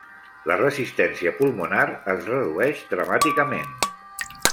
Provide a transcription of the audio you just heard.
La resistència pulmonar es redueix dramàticament.